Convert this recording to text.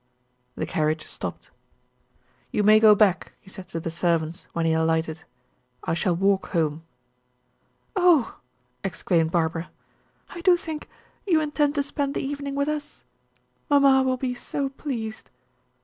The carriage stopped. "You may go back," he said to the servants, when he alighted. "I shall walk home." "Oh," exclaimed Barbara, "I do think you intend to spend the evening with us? Mamma will be so pleased."